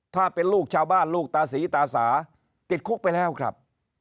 ถ้าเป็นลูกชาวบ้านลูกตาศรีตาสาติดคุกไปแล้วครับ